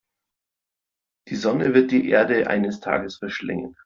Die Sonne wird die Erde eines Tages verschlingen.